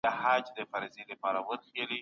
ټولنيز ژوند د بشپړتيا لپاره اړين دی.